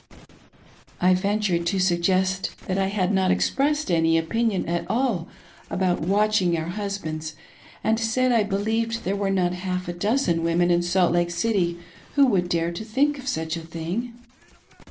I ventured to suggest that I had not expressed any opinion at all about watching our husbands, and said I believed there were not half a dozen women in Salt Lake City who would dare to think of such a thing.